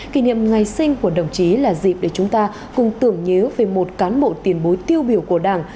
kỷ niệm ngày sinh của đồng chí là dịp để chúng ta cùng tưởng nhớ về một cán bộ tiền bối tiêu biểu của đảng